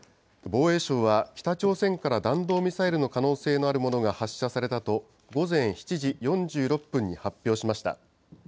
防衛省は、北朝鮮から弾道ミサイルの可能性があるものが発射されたと、午前７時４６分に発表しました。